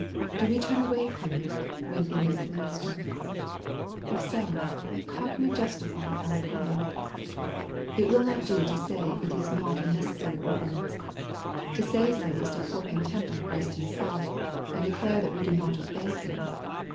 Do we turn away from it, when it is administered ? If so, how can we justify our conduct ?— It will not do to say it is not a necessary ordinance. To say so is to pour contempt on Christ Himself, and declare that we do not obey Him.